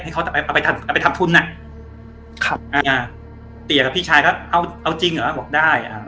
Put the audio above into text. ให้เค้าเอาไปทำทุนน่ะเตี๋ยกับพี่ชายก็เอาจริงเหรอบอกได้